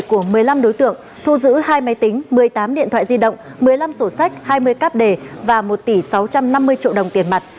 của một mươi năm đối tượng thu giữ hai máy tính một mươi tám điện thoại di động một mươi năm sổ sách hai mươi cáp đề và một tỷ sáu trăm năm mươi triệu đồng tiền mặt